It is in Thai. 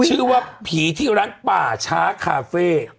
ชื่อว่าผีที่ร้านป่าช้าคาเฟ่